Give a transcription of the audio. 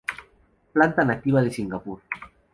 Planta nativa de Singapur.